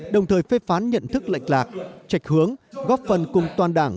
đồng thời phê phán nhận thức lệch lạc trạch hướng góp phần cùng toàn đảng